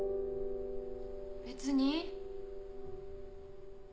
別に。